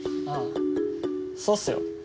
ああそうっすよ。